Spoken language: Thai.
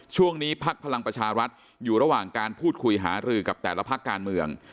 พักพลังประชารัฐอยู่ระหว่างการพูดคุยหารือกับแต่ละพักการเมือง